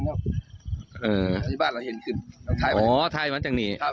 ผมก็คิดว่าถ้ามันถ่ายชัดกว่าหนึ่ง